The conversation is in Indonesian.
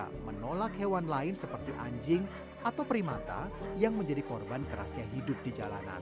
jadi menunjukkan keadaan seluas satu tiga hektar di hutan ini bim bim menunjukkan tempat tinggal yang cukup layak untuk hewan hewan sakit dan terlantar